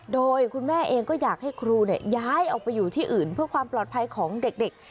โดยคุณแม่เองก็อยากให้ครูย้ายออกไปอยู่ที่อื่นเพื่อความปลอดภัยของเด็ก